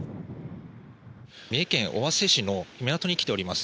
三重県尾鷲市の港に来ています。